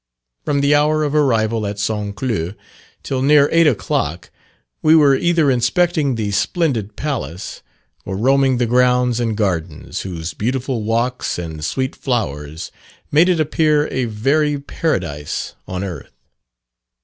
From the hour of arrival at St. Cloud till near eight o'clock, we were either inspecting the splendid palace or roaming the grounds and gardens, whose beautiful walks and sweet flowers made it appear a very Paradise on earth.